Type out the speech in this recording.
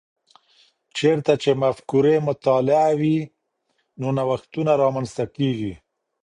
چیرته چي مفکورې مطالعې وي، نو نوښتونه رامنځته کیږي؟